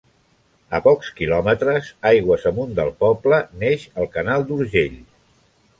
A pocs quilòmetres aigües amunt del poble neix el canal d'Urgell.